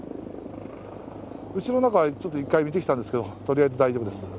うちの中はちょっと、一回見てきたんですけど、とりあえず大丈夫です。